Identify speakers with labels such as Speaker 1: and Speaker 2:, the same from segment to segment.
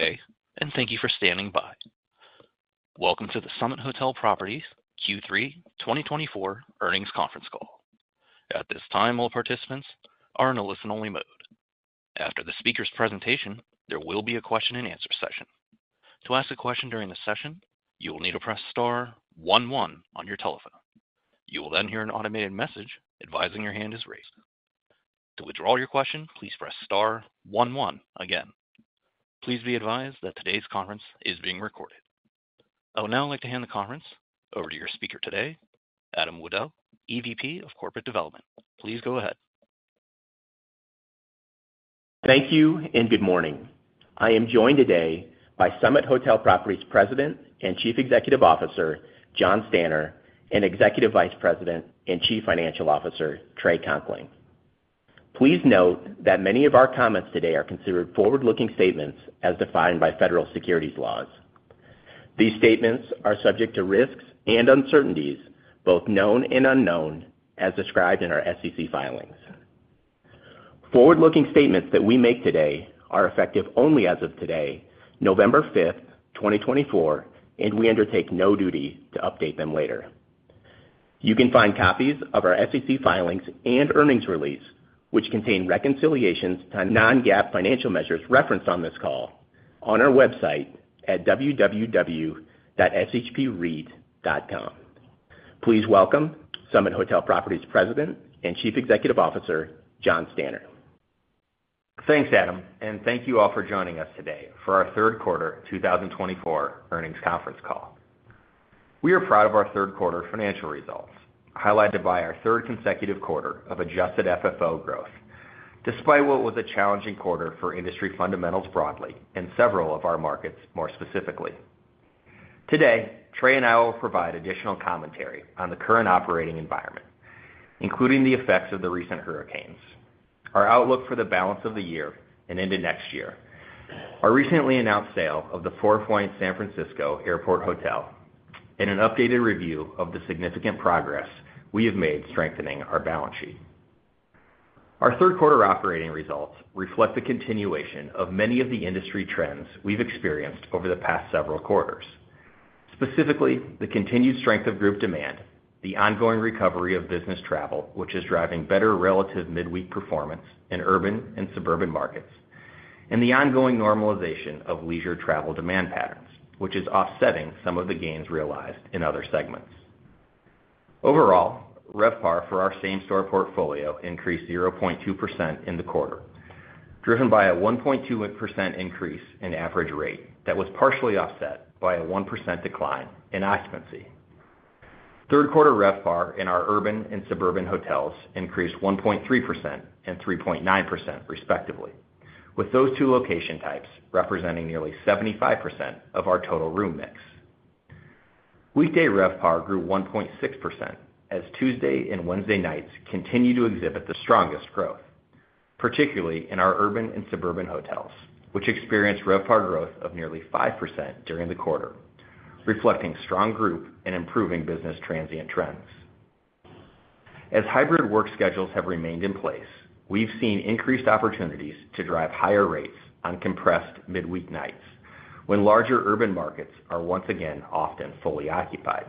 Speaker 1: Good day, and thank you for standing by. Welcome to the Summit Hotel Properties Q3 2024 earnings conference call. At this time, all participants are in a listen-only mode. After the speaker's presentation, there will be a question-and-answer session. To ask a question during the session, you will need to press star one-one on your telephone. You will then hear an automated message advising your hand is raised. To withdraw your question, please press star one-one again. Please be advised that today's conference is being recorded. I would now like to hand the conference over to your speaker today, Adam Wudel, EVP of Corporate Development. Please go ahead.
Speaker 2: Thank you, and good morning. I am joined today by Summit Hotel Properties President and Chief Executive Officer Jonathan Stanner, and Executive Vice President and Chief Financial Officer Trey Conkling. Please note that many of our comments today are considered forward-looking statements as defined by federal securities laws. These statements are subject to risks and uncertainties, both known and unknown, as described in our SEC filings. Forward-looking statements that we make today are effective only as of today, November 5th, 2024, and we undertake no duty to update them later. You can find copies of our SEC filings and earnings release, which contain reconciliations to non-GAAP financial measures referenced on this call, on our website at www.shpre.com. Please welcome Summit Hotel Properties President and Chief Executive Officer Jonathan Stanner.
Speaker 3: Thanks, Adam, and thank you all for joining us today for our third quarter 2024 earnings conference call. We are proud of our third quarter financial results, highlighted by our third consecutive quarter of adjusted FFO growth, despite what was a challenging quarter for industry fundamentals broadly and several of our markets more specifically. Today, Trey and I will provide additional commentary on the current operating environment, including the effects of the recent hurricanes, our outlook for the balance of the year and into next year, our recently announced sale of the Four Points by Sheraton San Francisco Airport Hotel, and an updated review of the significant progress we have made strengthening our balance sheet. Our third quarter operating results reflect the continuation of many of the industry trends we've experienced over the past several quarters, specifically the continued strength of group demand, the ongoing recovery of business travel, which is driving better relative midweek performance in urban and suburban markets, and the ongoing normalization of leisure travel demand patterns, which is offsetting some of the gains realized in other segments. Overall, RevPAR for our same-store portfolio increased 0.2% in the quarter, driven by a 1.2% increase in average rate that was partially offset by a 1% decline in occupancy. Third quarter RevPAR in our urban and suburban hotels increased 1.3% and 3.9%, respectively, with those two location types representing nearly 75% of our total room mix. Weekday RevPAR grew 1.6% as Tuesday and Wednesday nights continued to exhibit the strongest growth, particularly in our urban and suburban hotels, which experienced RevPAR growth of nearly 5% during the quarter, reflecting strong growth and improving business transient trends. As hybrid work schedules have remained in place, we've seen increased opportunities to drive higher rates on compressed midweek nights when larger urban markets are once again often fully occupied.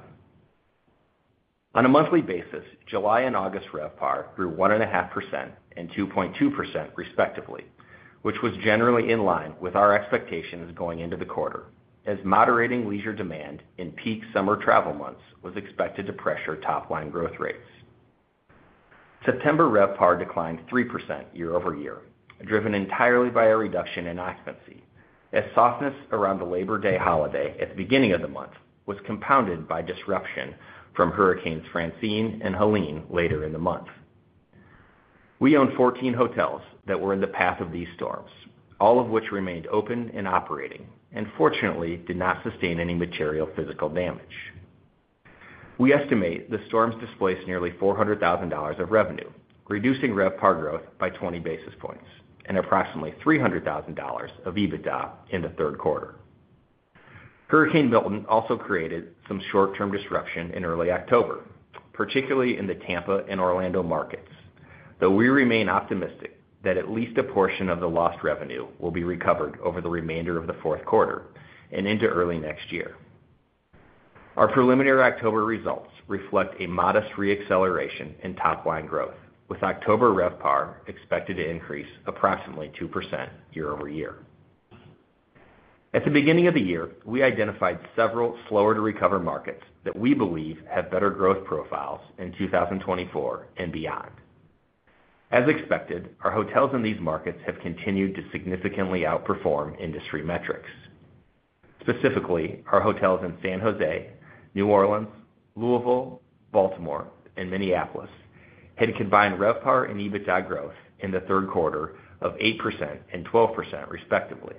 Speaker 3: On a monthly basis, July and August RevPAR grew 1.5% and 2.2%, respectively, which was generally in line with our expectations going into the quarter, as moderating leisure demand in peak summer travel months was expected to pressure top-line growth rates. September RevPAR declined 3% year over year, driven entirely by a reduction in occupancy, as softness around the Labor Day holiday at the beginning of the month was compounded by disruption from Hurricanes Francine and Helene later in the month. We own 14 hotels that were in the path of these storms, all of which remained open and operating and fortunately did not sustain any material physical damage. We estimate the storms displaced nearly $400,000 of revenue, reducing RevPAR growth by 20 basis points and approximately $300,000 of EBITDA in the third quarter. Hurricane Milton also created some short-term disruption in early October, particularly in the Tampa and Orlando markets, though we remain optimistic that at least a portion of the lost revenue will be recovered over the remainder of the fourth quarter and into early next year. Our preliminary October results reflect a modest re-acceleration in top-line growth, with October RevPAR expected to increase approximately 2% year over year. At the beginning of the year, we identified several slower-to-recover markets that we believe have better growth profiles in 2024 and beyond. As expected, our hotels in these markets have continued to significantly outperform industry metrics. Specifically, our hotels in San Jose, New Orleans, Louisville, Baltimore, and Minneapolis had combined RevPAR and EBITDA growth in the third quarter of 8% and 12%, respectively.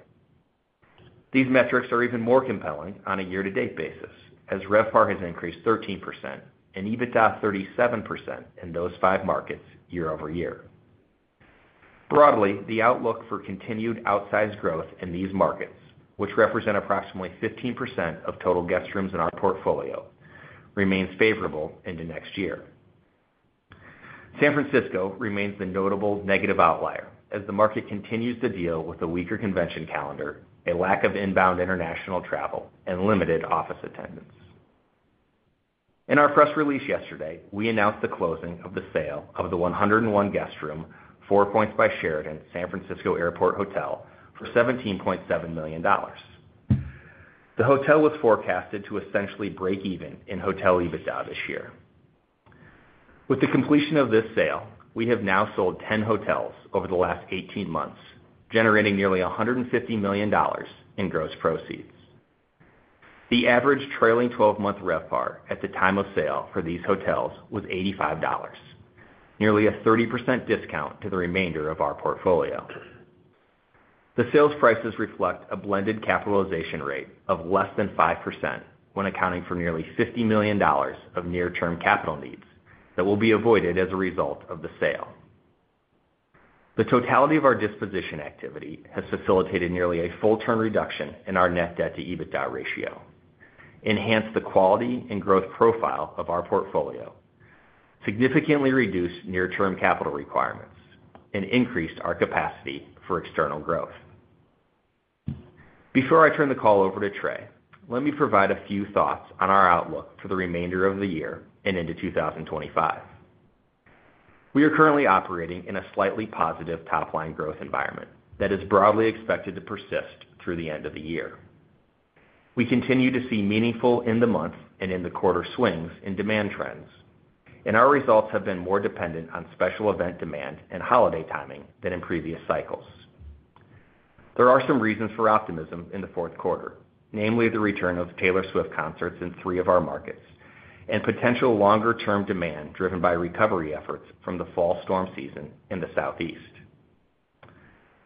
Speaker 3: These metrics are even more compelling on a year-to-date basis, as RevPAR has increased 13% and EBITDA 37% in those five markets year over year. Broadly, the outlook for continued outsized growth in these markets, which represent approximately 15% of total guest rooms in our portfolio, remains favorable into next year. San Francisco remains the notable negative outlier as the market continues to deal with a weaker convention calendar, a lack of inbound international travel, and limited office attendance. In our press release yesterday, we announced the closing of the sale of the 101-guest room Four Points by Sheraton San Francisco Airport Hotel for $17.7 million. The hotel was forecasted to essentially break even in hotel EBITDA this year. With the completion of this sale, we have now sold 10 hotels over the last 18 months, generating nearly $150 million in gross proceeds. The average trailing 12-month RevPAR at the time of sale for these hotels was $85, nearly a 30% discount to the remainder of our portfolio. The sales prices reflect a blended capitalization rate of less than 5% when accounting for nearly $50 million of near-term capital needs that will be avoided as a result of the sale. The totality of our disposition activity has facilitated nearly a full turn reduction in our net debt-to-EBITDA ratio, enhanced the quality and growth profile of our portfolio, significantly reduced near-term capital requirements, and increased our capacity for external growth. Before I turn the call over to Trey, let me provide a few thoughts on our outlook for the remainder of the year and into 2025. We are currently operating in a slightly positive top-line growth environment that is broadly expected to persist through the end of the year. We continue to see meaningful in-the-month and in-the-quarter swings in demand trends, and our results have been more dependent on special event demand and holiday timing than in previous cycles. There are some reasons for optimism in the fourth quarter, namely the return of Taylor Swift concerts in three of our markets and potential longer-term demand driven by recovery efforts from the fall storm season in the Southeast.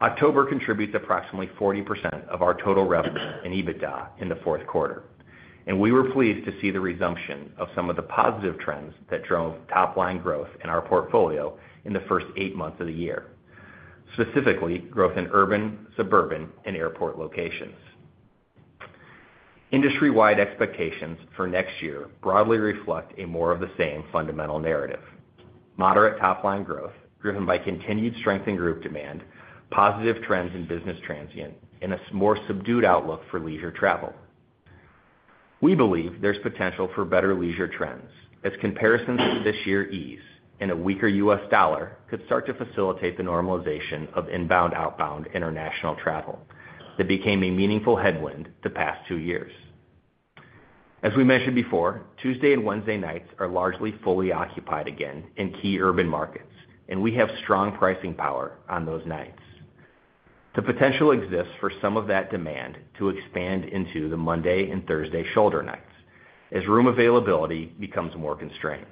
Speaker 3: October contributes approximately 40% of our total revenue and EBITDA in the fourth quarter, and we were pleased to see the resumption of some of the positive trends that drove top-line growth in our portfolio in the first eight months of the year, specifically growth in urban, suburban, and airport locations. Industry-wide expectations for next year broadly reflect more of the same fundamental narrative: moderate top-line growth driven by continued strength in group demand, positive trends in business transient, and a more subdued outlook for leisure travel. We believe there's potential for better leisure trends as comparisons to this year ease and a weaker U.S. dollar could start to facilitate the normalization of inbound/outbound international travel that became a meaningful headwind the past two years. As we mentioned before, Tuesday and Wednesday nights are largely fully occupied again in key urban markets, and we have strong pricing power on those nights. The potential exists for some of that demand to expand into the Monday and Thursday shoulder nights as room availability becomes more constrained.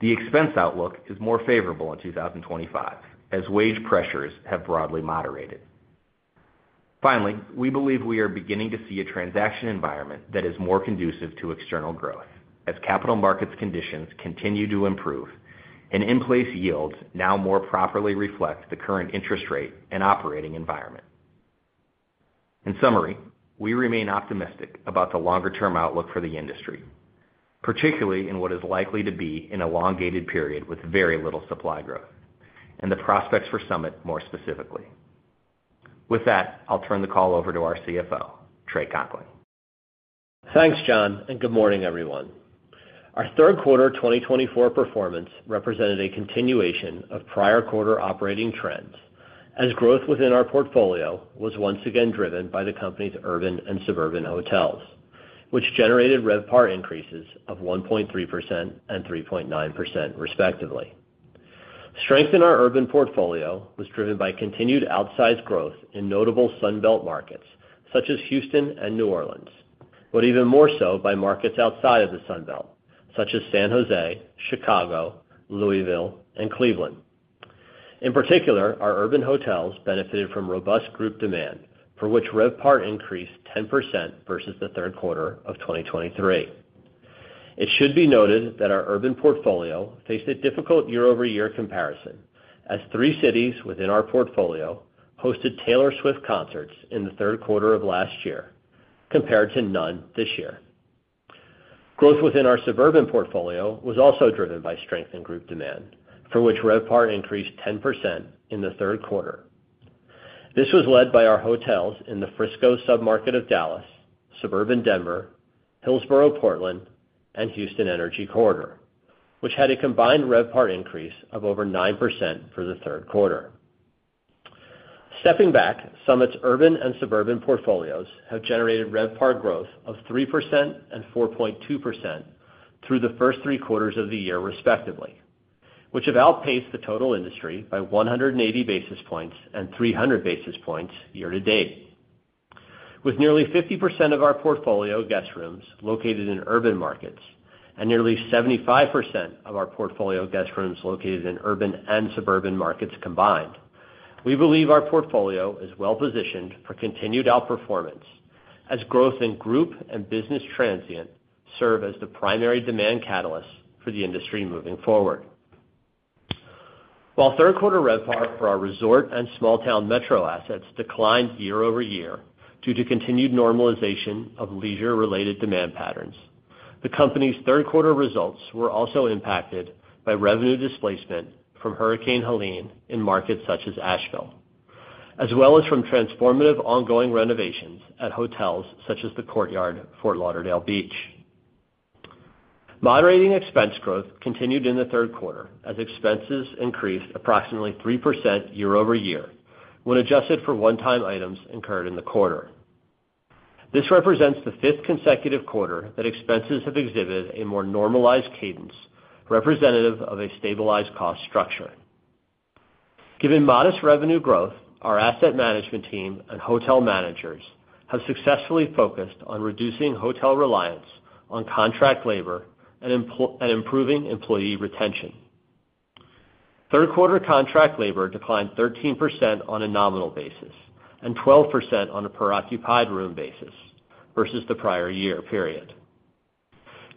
Speaker 3: The expense outlook is more favorable in 2025 as wage pressures have broadly moderated. Finally, we believe we are beginning to see a transaction environment that is more conducive to external growth as capital markets conditions continue to improve and in-place yields now more properly reflect the current interest rate and operating environment. In summary, we remain optimistic about the longer-term outlook for the industry, particularly in what is likely to be an elongated period with very little supply growth and the prospects for Summit more specifically. With that, I'll turn the call over to our CFO, Trey Conkling.
Speaker 4: Thanks, Jonathan, and good morning, everyone. Our third quarter 2024 performance represented a continuation of prior quarter operating trends as growth within our portfolio was once again driven by the company's urban and suburban hotels, which generated RevPAR increases of 1.3% and 3.9%, respectively. Strength in our urban portfolio was driven by continued outsized growth in notable Sunbelt markets such as Houston and New Orleans, but even more so by markets outside of the Sunbelt, such as San Jose, Chicago, Louisville, and Cleveland. In particular, our urban hotels benefited from robust group demand, for which RevPAR increased 10% versus the third quarter of 2023. It should be noted that our urban portfolio faced a difficult year-over-year comparison as three cities within our portfolio hosted Taylor Swift concerts in the third quarter of last year, compared to none this year. Growth within our suburban portfolio was also driven by strength in group demand, for which RevPAR increased 10% in the third quarter. This was led by our hotels in the Frisco submarket of Dallas, suburban Denver, Hillsboro, Portland, and Houston Energy Corridor, which had a combined RevPAR increase of over 9% for the third quarter. Stepping back, Summit's urban and suburban portfolios have generated RevPAR growth of 3% and 4.2% through the first three quarters of the year, respectively, which have outpaced the total industry by 180 basis points and 300 basis points year to date, with nearly 50% of our portfolio guest rooms located in urban markets and nearly 75% of our portfolio guest rooms located in urban and suburban markets combined. We believe our portfolio is well-positioned for continued outperformance as growth in group and business transient serve as the primary demand catalysts for the industry moving forward. While third-quarter RevPAR for our resort and small-town metro assets declined year over year due to continued normalization of leisure-related demand patterns, the company's third-quarter results were also impacted by revenue displacement from Hurricane Helene in markets such as Asheville, as well as from transformative ongoing renovations at hotels such as the Courtyard Fort Lauderdale Beach. Moderating expense growth continued in the third quarter as expenses increased approximately 3% year over year when adjusted for one-time items incurred in the quarter. This represents the fifth consecutive quarter that expenses have exhibited a more normalized cadence representative of a stabilized cost structure. Given modest revenue growth, our asset management team and hotel managers have successfully focused on reducing hotel reliance on contract labor and improving employee retention. Third-quarter contract labor declined 13% on a nominal basis and 12% on a per-occupied room basis versus the prior year period.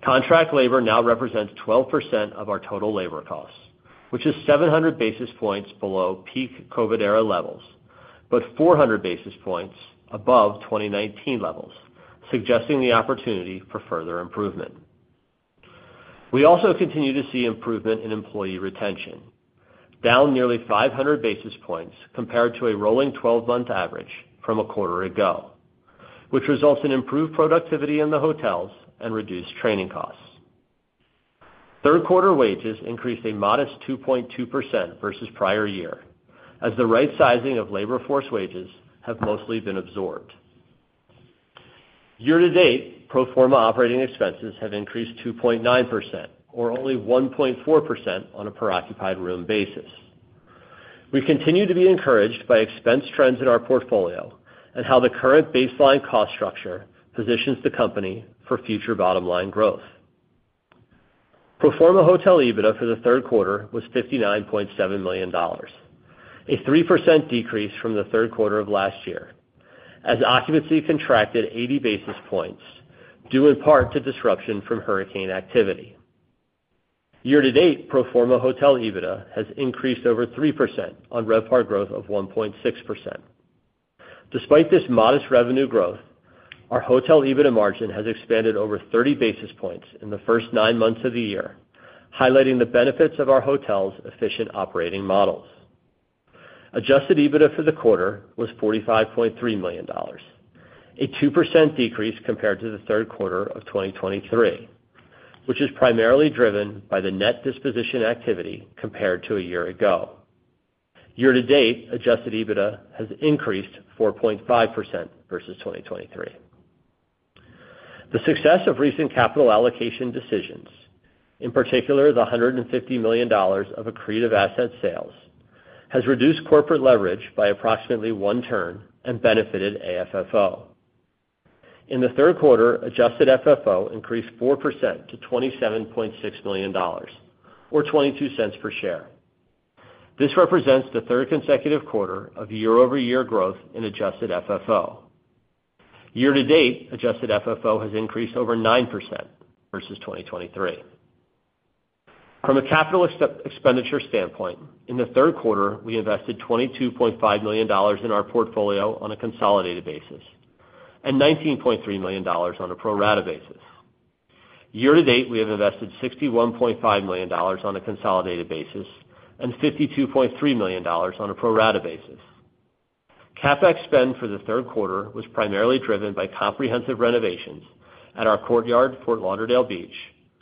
Speaker 4: Contract labor now represents 12% of our total labor costs, which is 700 basis points below peak COVID-era levels but 400 basis points above 2019 levels, suggesting the opportunity for further improvement. We also continue to see improvement in employee retention, down nearly 500 basis points compared to a rolling 12-month average from a quarter ago, which results in improved productivity in the hotels and reduced training costs. Third-quarter wages increased a modest 2.2% versus prior year as the right sizing of labor force wages have mostly been absorbed. Year to date, pro forma operating expenses have increased 2.9% or only 1.4% on a per-occupied room basis. We continue to be encouraged by expense trends in our portfolio and how the current baseline cost structure positions the company for future bottom-line growth. Pro forma hotel EBITDA for the third quarter was $59.7 million, a 3% decrease from the third quarter of last year as occupancy contracted 80 basis points due in part to disruption from hurricane activity. Year to date, pro forma hotel EBITDA has increased over 3% on RevPAR growth of 1.6%. Despite this modest revenue growth, our hotel's efficient operating models. Adjusted EBITDA for the quarter was $45.3 million, a 2% decrease compared to the third quarter of 2023, which is primarily driven by the net disposition activity compared to a year ago. Year to date, adjusted EBITDA has increased 4.5% versus 2023. The success of recent capital allocation decisions, in particular the $150 million of accretive asset sales, has reduced corporate leverage by approximately one turn and benefited AFFO. In the third quarter, adjusted FFO increased 4% to $27.6 million, or $0.22 per share. This represents the third consecutive quarter of year-over-year growth in adjusted FFO. Year to date, adjusted FFO has increased over 9% versus 2023. From a capital expenditure standpoint, in the third quarter, we invested $22.5 million in our portfolio on a consolidated basis and $19.3 million on a pro rata basis. Year to date, we have invested $61.5 million on a consolidated basis and $52.3 million on a pro rata basis. CapEx spend for the third quarter was primarily driven by comprehensive renovations at our Courtyard Fort Lauderdale Beach,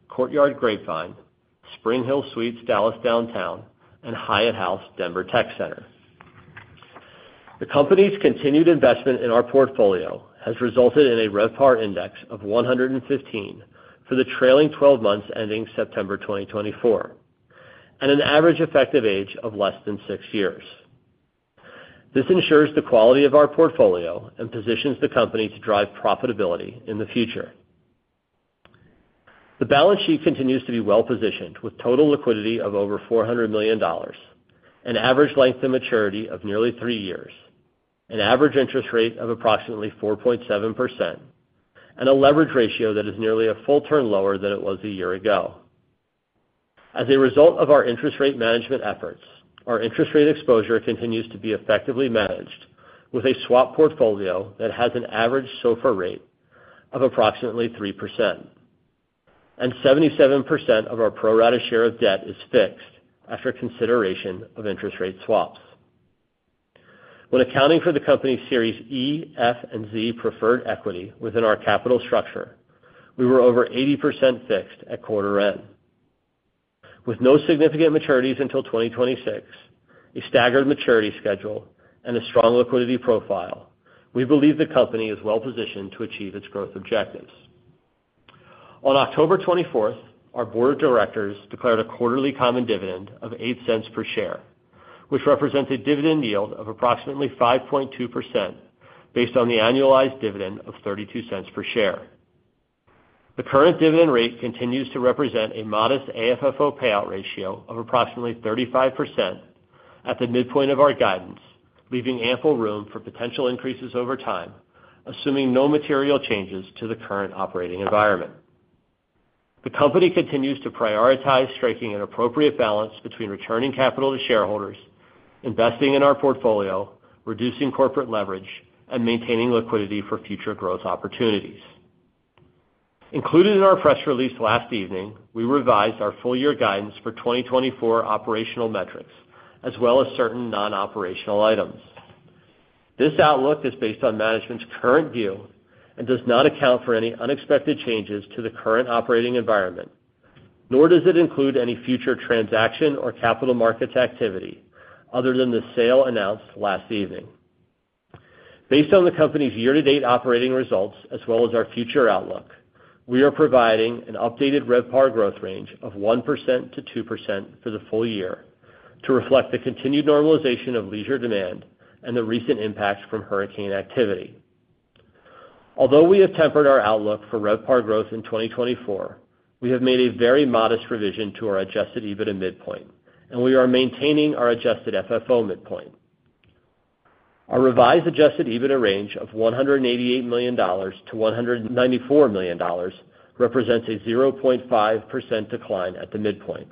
Speaker 4: Courtyard Grapevine, SpringHill Suites Dallas Downtown, and Hyatt House Denver Tech Center. The company's continued investment in our portfolio has resulted in a RevPAR Index of 115 for the trailing 12 months ending September 2024 and an average effective age of less than six years. This ensures the quality of our portfolio and positions the company to drive profitability in the future. The balance sheet continues to be well-positioned with total liquidity of over $400 million, an average length of maturity of nearly three years, an average interest rate of approximately 4.7%, and a leverage ratio that is nearly a full turn lower than it was a year ago. As a result of our interest rate management efforts, our interest rate exposure continues to be effectively managed with a swap portfolio that has an average SOFR rate of approximately 3%, and 77% of our pro rata share of debt is fixed after consideration of interest rate swaps. When accounting for the company's Series E, F, and Z preferred equity within our capital structure, we were over 80% fixed at quarter end. With no significant maturities until 2026, a staggered maturity schedule, and a strong liquidity profile, we believe the company is well-positioned to achieve its growth objectives. On October 24th, our board of directors declared a quarterly common dividend of 8 cents per share, which represents a dividend yield of approximately 5.2% based on the annualized dividend of 32 cents per share. The current dividend rate continues to represent a modest AFFO payout ratio of approximately 35% at the midpoint of our guidance, leaving ample room for potential increases over time, assuming no material changes to the current operating environment. The company continues to prioritize striking an appropriate balance between returning capital to shareholders, investing in our portfolio, reducing corporate leverage, and maintaining liquidity for future growth opportunities. Included in our press release last evening, we revised our full-year guidance for 2024 operational metrics as well as certain non-operational items. This outlook is based on management's current view and does not account for any unexpected changes to the current operating environment, nor does it include any future transaction or capital markets activity other than the sale announced last evening. Based on the company's year-to-date operating results as well as our future outlook, we are providing an updated RevPAR growth range of 1%-2% for the full year to reflect the continued normalization of leisure demand and the recent impacts from hurricane activity. Although we have tempered our outlook for RevPAR growth in 2024, we have made a very modest revision to our adjusted EBITDA midpoint, and we are maintaining our adjusted FFO midpoint. Our revised adjusted EBITDA range of $188 million-$194 million represents a 0.5% decline at the midpoint.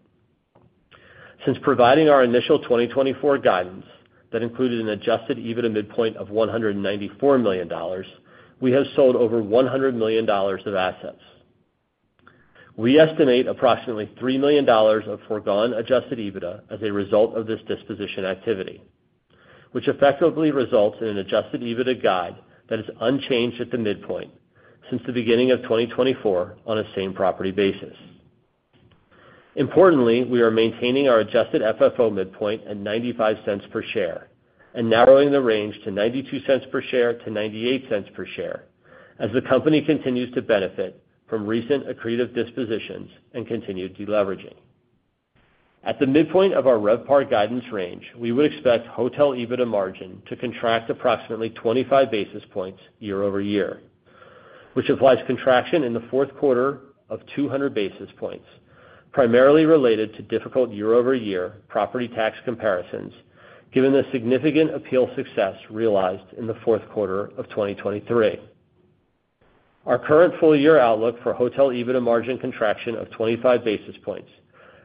Speaker 4: Since providing our initial 2024 guidance that included an adjusted EBITDA midpoint of $194 million, we have sold over $100 million of assets. We estimate approximately $3 million of forgone Adjusted EBITDA as a result of this disposition activity, which effectively results in an Adjusted EBITDA guide that is unchanged at the midpoint since the beginning of 2024 on a same property basis. Importantly, we are maintaining our Adjusted FFO midpoint at $0.95 per share and narrowing the range to $0.92-$0.98 per share as the company continues to benefit from recent accretive dispositions and continued deleveraging. At the midpoint of our RevPAR guidance range, we would expect hotel EBITDA margin to contract approximately 25 basis points year over year, which implies contraction in the fourth quarter of 200 basis points, primarily related to difficult year-over-year property tax comparisons given the significant appeals success realized in the fourth quarter of 2023. Our current full-year outlook for hotel EBITDA margin contraction of 25 basis points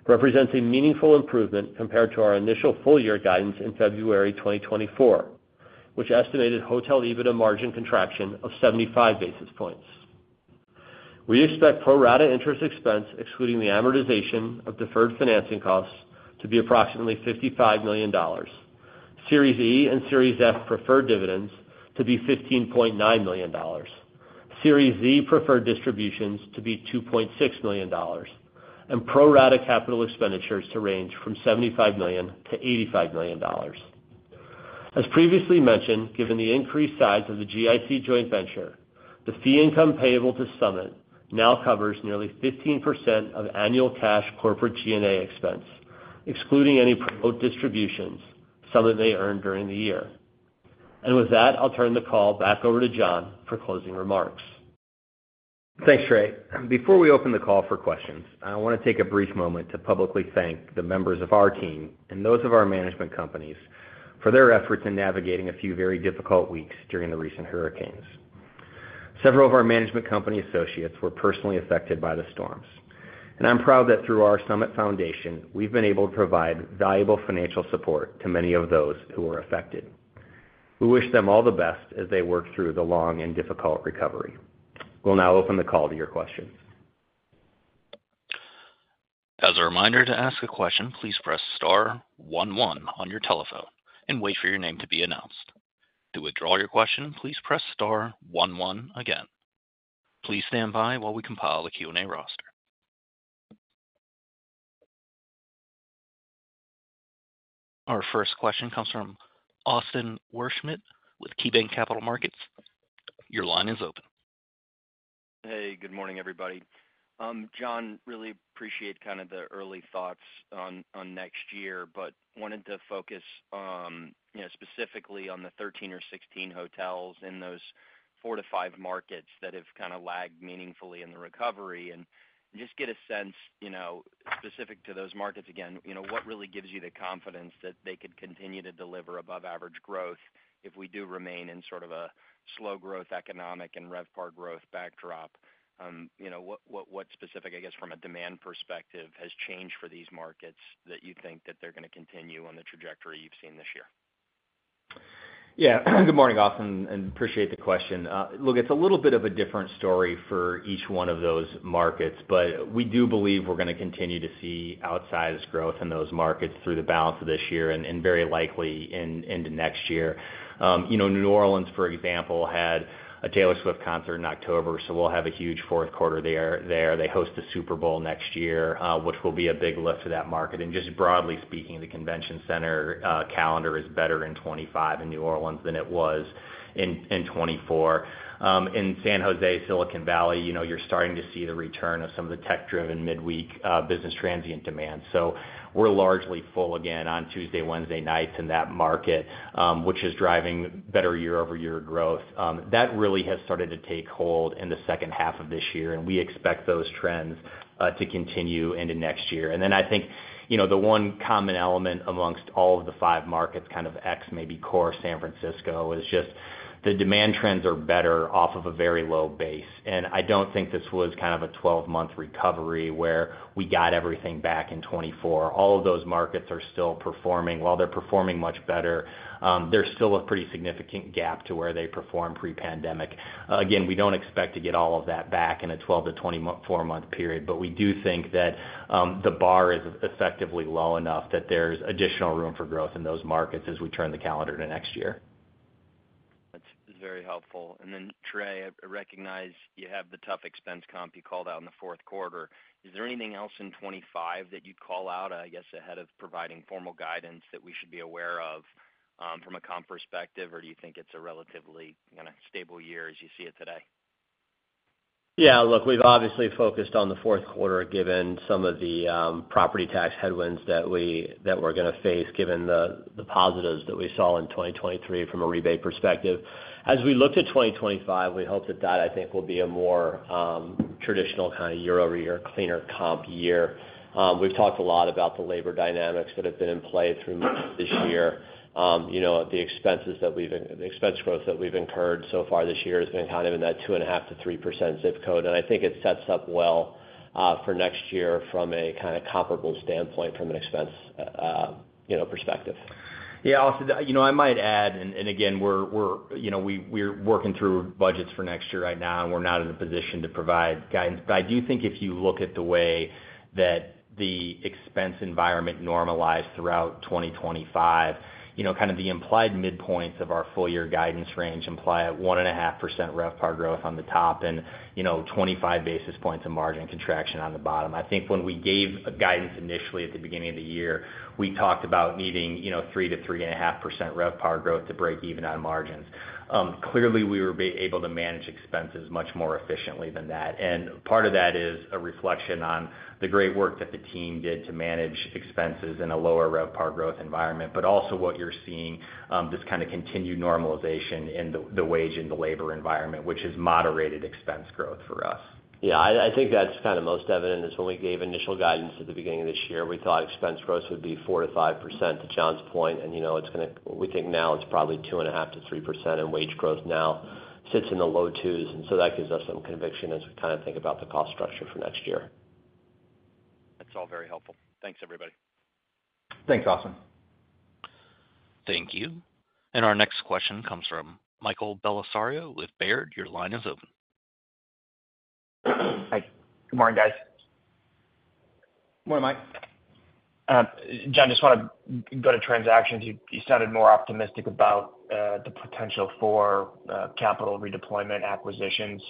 Speaker 4: represents a meaningful improvement compared to our initial full-year guidance in February 2024, which estimated hotel EBITDA margin contraction of 75 basis points. We expect pro rata interest expense, excluding the amortization of deferred financing costs, to be approximately $55 million, Series E and Series F preferred dividends to be $15.9 million, Series Z preferred distributions to be $2.6 million, and pro rata capital expenditures to range from $75-$85 million. As previously mentioned, given the increased size of the GIC joint venture, the fee income payable to Summit now covers nearly 15% of annual cash corporate G&A expense, excluding any promote distributions Summit may earn during the year. And with that, I'll turn the call back over to Jonathan for closing remarks.
Speaker 3: Thanks, Trey. Before we open the call for questions, I want to take a brief moment to publicly thank the members of our team and those of our management companies for their efforts in navigating a few very difficult weeks during the recent hurricanes. Several of our management company associates were personally affected by the storms, and I'm proud that through our Summit Foundation, we've been able to provide valuable financial support to many of those who were affected. We wish them all the best as they work through the long and difficult recovery. We'll now open the call to your questions.
Speaker 1: As a reminder to ask a question, please press star 1 1 on your telephone and wait for your name to be announced. To withdraw your question, please press star 1 1 again. Please stand by while we compile the Q&A roster. Our first question comes from Austin Wurschmidt with KeyBanc Capital Markets.. Your line is open.
Speaker 5: Hey, good morning, everybody. Jonathan, really appreciate kind of the early thoughts on next year, but wanted to focus specifically on the 13 or 16 hotels in those four to five markets that have kind of lagged meaningfully in the recovery and just get a sense specific to those markets again, what really gives you the confidence that they could continue to deliver above-average growth if we do remain in sort of a slow growth economic and RevPAR growth backdrop? What specific, I guess, from a demand perspective has changed for these markets that you think that they're going to continue on the trajectory you've seen this year?
Speaker 3: Yeah. Good morning, Austin, and appreciate the question. Look, it's a little bit of a different story for each one of those markets, but we do believe we're going to continue to see outsized growth in those markets through the balance of this year and very likely into next year. New Orleans, for example, had a Taylor Swift concert in October, so we'll have a huge fourth quarter there. They host the Super Bowl next year, which will be a big lift for that market. And just broadly speaking, the convention center calendar is better in 2025 in New Orleans than it was in 2024. In San Jose, Silicon Valley, you're starting to see the return of some of the tech-driven midweek business transient demand. So we're largely full again on Tuesday, Wednesday nights in that market, which is driving better year-over-year growth. That really has started to take hold in the second half of this year, and we expect those trends to continue into next year. Then I think the one common element amongst all of the five markets, kind of ex maybe core San Francisco, is just the demand trends are better off of a very low base. I don't think this was kind of a 12-month recovery where we got everything back in 2024. All of those markets are still performing. While they're performing much better, there's still a pretty significant gap to where they performed pre-pandemic. Again, we don't expect to get all of that back in a 12-24-month period, but we do think that the bar is effectively low enough that there's additional room for growth in those markets as we turn the calendar into next year.
Speaker 5: That's very helpful. And then, Trey, I recognize you have the tough expense comp you called out in the fourth quarter. Is there anything else in 2025 that you'd call out, I guess, ahead of providing formal guidance that we should be aware of from a comp perspective, or do you think it's a relatively kind of stable year as you see it today?
Speaker 4: Yeah. Look, we've obviously focused on the fourth quarter given some of the property tax headwinds that we're going to face given the positives that we saw in 2023 from a rebate perspective. As we look to 2025, we hope that that, I think, will be a more traditional kind of year-over-year, cleaner comp year. We've talked a lot about the labor dynamics that have been in play through this year. The expense growth that we've incurred so far this year has been kind of in that 2.5%-3% zip code, and I think it sets up well for next year from a kind of comparable standpoint from an expense perspective.
Speaker 3: Yeah, Austin, I might add, and again, we're working through budgets for next year right now, and we're not in a position to provide guidance, but I do think if you look at the way that the expense environment normalized throughout 2025, kind of the implied midpoints of our full-year guidance range imply at 1.5% RevPAR growth on the top and 25 basis points of margin contraction on the bottom. I think when we gave guidance initially at the beginning of the year, we talked about needing 3%-3.5% RevPAR growth to break even on margins. Clearly, we were able to manage expenses much more efficiently than that, and part of that is a reflection on the great work that the team did to manage expenses in a lower RevPAR growth environment, but also what you're seeing, this kind of continued normalization in the wage and the labor environment, which has moderated expense growth for us.
Speaker 4: Yeah. I think that's kind of most evident is when we gave initial guidance at the beginning of this year, we thought expense growth would be 4%-5% to Jon's point, and it's going to—we think now it's probably 2.5%-3%, and wage growth now sits in the low 2s%, and so that gives us some conviction as we kind of think about the cost structure for next year.
Speaker 5: That's all very helpful. Thanks, everybody.
Speaker 3: Thanks, Austin.
Speaker 1: Thank you. Our next question comes from Michael Bellisario with Baird. Your line is open.
Speaker 6: Hi. Good morning, guys.
Speaker 3: Morning Michael.
Speaker 6: Jonathan, just want to go to transactions. You sounded more optimistic about the potential for capital redeployment acquisitions.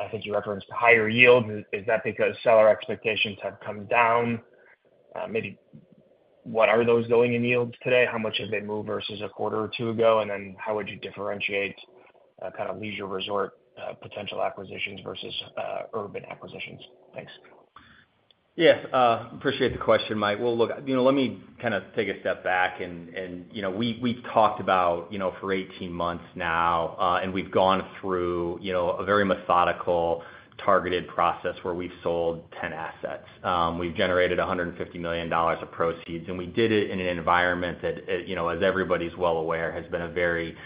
Speaker 6: I think you referenced higher yields. Is that because seller expectations have come down? Maybe what are those going in yields today? How much have they moved versus a quarter or two ago? And then how would you differentiate kind of leisure resort potential acquisitions versus urban acquisitions? Thanks.
Speaker 3: Yes. Appreciate the question, Michael. Look, let me kind of take a step back, and we've talked about for 18 months now, and we've gone through a very methodical targeted process where we've sold 10 assets. We've generated $150 million of proceeds, and we did it in an environment that, as everybody's well aware, has been a very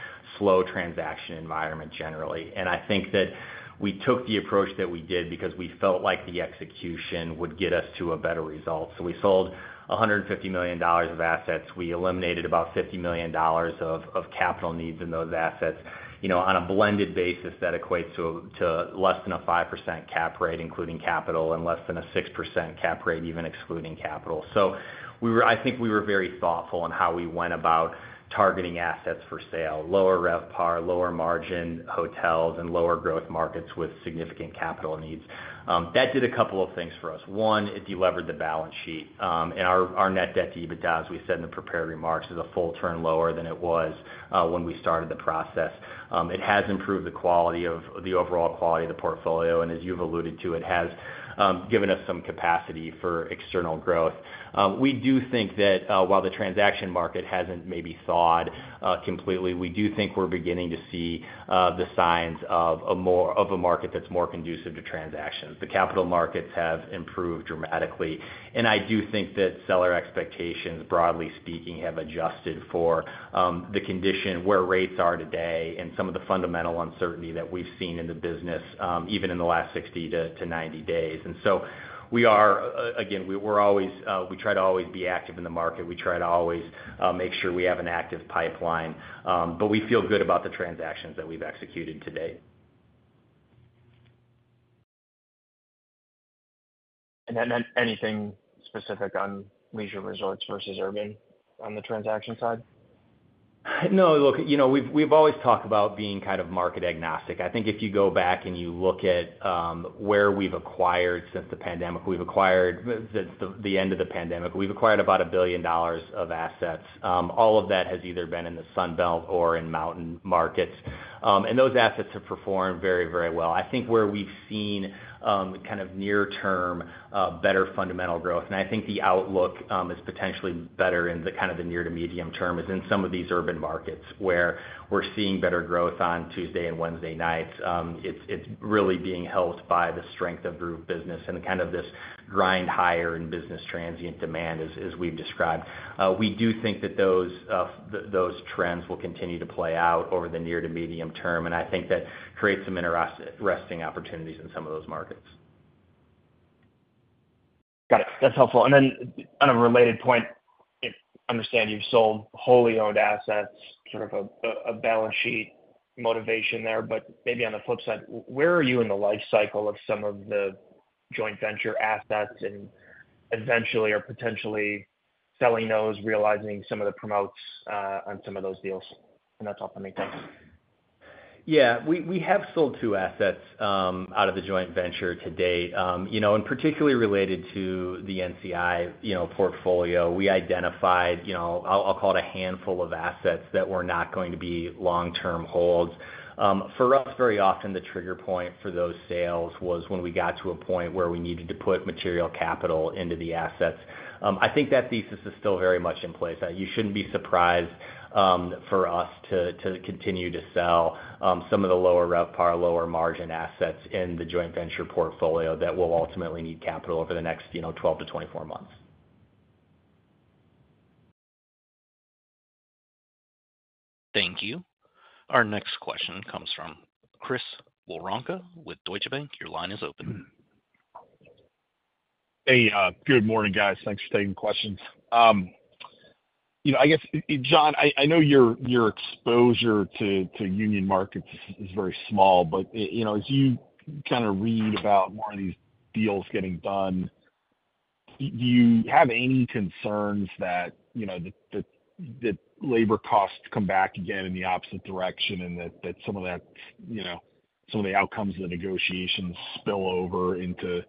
Speaker 3: slow transaction environment generally. I think that we took the approach that we did because we felt like the execution would get us to a better result. We sold $150 million of assets. We eliminated about $50 million of capital needs in those assets on a blended basis that equates to less than a 5% cap rate, including capital, and less than a 6% cap rate, even excluding capital. I think we were very thoughtful in how we went about targeting assets for sale: lower RevPAR, lower margin hotels, and lower growth markets with significant capital needs. That did a couple of things for us. One, it delivered the balance sheet. Our net debt to EBITDA, as we said in the prepared remarks, is a full turn lower than it was when we started the process. It has improved the overall quality of the portfolio, and as you've alluded to, it has given us some capacity for external growth. We do think that while the transaction market hasn't maybe thawed completely, we do think we're beginning to see the signs of a market that's more conducive to transactions. The capital markets have improved dramatically, and I do think that seller expectations, broadly speaking, have adjusted for the condition where rates are today and some of the fundamental uncertainty that we've seen in the business even in the last 60-90 days. And so we are, again, we try to always be active in the market. We try to always make sure we have an active pipeline, but we feel good about the transactions that we've executed today.
Speaker 6: And then anything specific on leisure resorts versus urban on the transaction side? No. Look, we've always talked about being kind of market agnostic. I think if you go back and you look at where we've acquired since the end of the pandemic, we've acquired about $1 billion of assets. All of that has either been in the Sunbelt or in mountain markets, and those assets have performed very, very well. I think where we've seen kind of near-term better fundamental growth, and I think the outlook is potentially better in kind of the near to medium term, is in some of these urban markets where we're seeing better growth on Tuesday and Wednesday nights. It's really being helped by the strength of group business and kind of this grind higher in business transient demand, as we've described. We do think that those trends will continue to play out over the near to medium term, and I think that creates some interesting opportunities in some of those markets. Got it. That's helpful. And then on a related point, I understand you've sold wholly owned assets, sort of a balance sheet motivation there, but maybe on the flip side, where are you in the life cycle of some of the joint venture assets and eventually or potentially selling those, realizing some of the promotes on some of those deals? And that's all for me, thanks.
Speaker 3: Yeah. We have sold two assets out of the joint venture to date. And particularly related to the NCI portfolio, we identified, I'll call it a handful of assets that were not going to be long-term holds. For us, very often the trigger point for those sales was when we got to a point where we needed to put material capital into the assets. I think that thesis is still very much in place. You shouldn't be surprised for us to continue to sell some of the lower RevPAR, lower margin assets in the joint venture portfolio that will ultimately need capital over the next 12 to 24 months.
Speaker 1: Thank you. Our next question comes from Chris Woronka with Deutsche Bank. Your line is open.
Speaker 7: Hey, good morning, guys. Thanks for taking questions. I guess, Jonathan, I know your exposure to union markets is very small, but as you kind of read about more of these deals getting done, do you have any concerns that labor costs come back again in the opposite direction and that some of that, some of the outcomes of the negotiations spill over into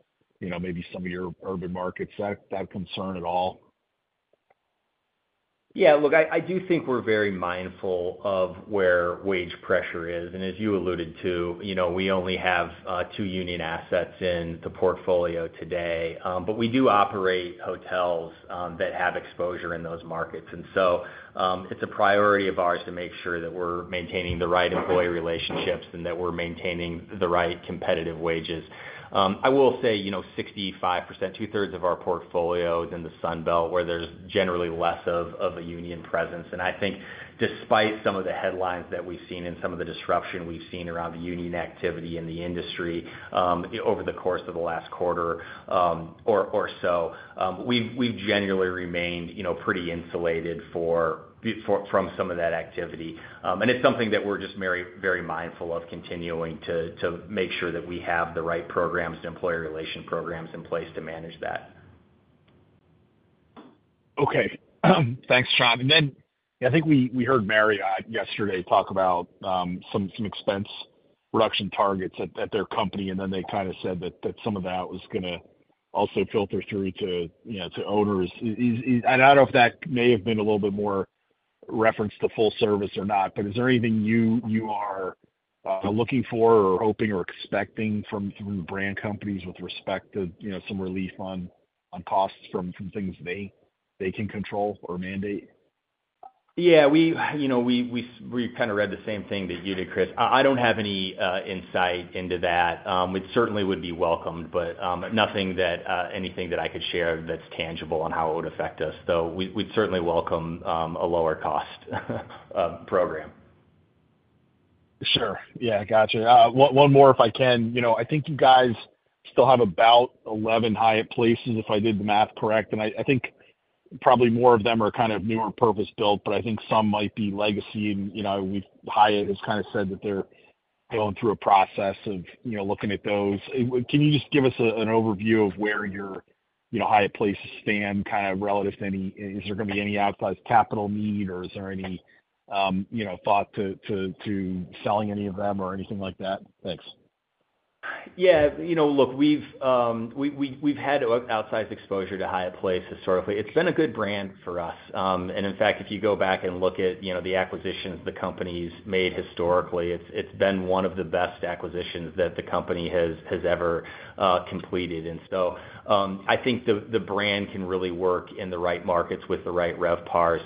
Speaker 7: maybe some of your urban markets? That concern at all?
Speaker 3: Yeah. Look, I do think we're very mindful of where wage pressure is. And as you alluded to, we only have two union assets in the portfolio today, but we do operate hotels that have exposure in those markets. And so it's a priority of ours to make sure that we're maintaining the right employee relationships and that we're maintaining the right competitive wages. I will say 65%, two-thirds of our portfolio is in the Sunbelt where there's generally less of a union presence. And I think despite some of the headlines that we've seen and some of the disruption we've seen around the union activity in the industry over the course of the last quarter or so, we've genuinely remained pretty insulated from some of that activity. And it's something that we're just very mindful of continuing to make sure that we have the right programs and employee relation programs in place to manage that.
Speaker 7: Okay. Thanks, Jonathan. And then I think we heard Marriott yesterday talk about some expense reduction targets at their company, and then they kind of said that some of that was going to also filter through to owners. And I don't know if that may have been a little bit more referenced to full service or not, but is there anything you are looking for or hoping or expecting from brand companies with respect to some relief on costs from things they can control or mandate?
Speaker 3: Yeah. We kind of read the same thing that you did, Chris. I don't have any insight into that. We certainly would be welcomed, but nothing that I could share that's tangible on how it would affect us. Though we'd certainly welcome a lower cost program.
Speaker 7: Sure. Yeah. Gotcha. One more, if I can. I think you guys still have about 11 Hyatt Places, if I did the math correct, and I think probably more of them are kind of newer purpose built, but I think some might be legacy. Hyatt has kind of said that they're going through a process of looking at those. Can you just give us an overview of where your Hyatt Place hotels stand kind of relative to any? Is there going to be any outsized capital need, or is there any thought to selling any of them or anything like that? Thanks.
Speaker 3: Yeah. Look, we've had outsized exposure to Hyatt Place hotels historically. It's been a good brand for us. And in fact, if you go back and look at the acquisitions the company's made historically, it's been one of the best acquisitions that the company has ever completed. And so I think the brand can really work in the right markets with the right RevPARs.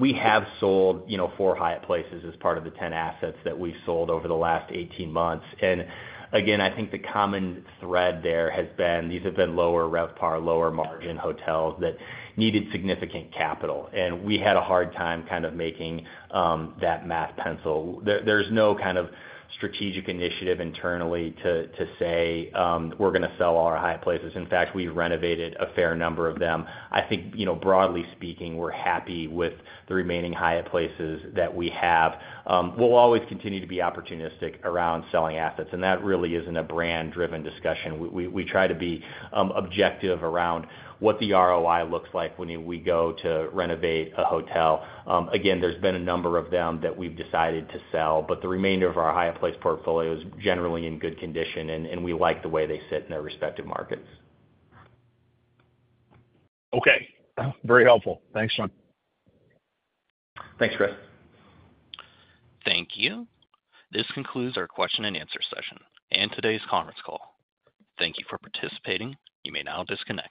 Speaker 3: We have sold four Hyatt Place hotels as part of the 10 assets that we've sold over the last 18 months. I think the common thread there has been these have been lower RevPAR, lower margin hotels that needed significant capital. We had a hard time kind of making that math pencil. There's no kind of strategic initiative internally to say we're going to sell all our Hyatt Place. In fact, we've renovated a fair number of them. I think, broadly speaking, we're happy with the remaining Hyatt Place that we have. We'll always continue to be opportunistic around selling assets, and that really isn't a brand-driven discussion. We try to be objective around what the ROI looks like when we go to renovate a hotel. Again, there's been a number of them that we've decided to sell, but the remainder of our Hyatt Place portfolio is generally in good condition, and we like the way they sit in their respective markets.
Speaker 7: Okay. Very helpful. Thanks, Jonathan.
Speaker 3: Thanks, Chris.
Speaker 1: Thank you. This concludes our question and answer session and today's conference call. Thank you for participating. You may now disconnect.